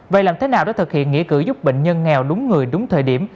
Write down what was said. vậy làm thế nào để thực hiện nghĩa cử giúp bệnh nhân nghèo đúng người đúng thời điểm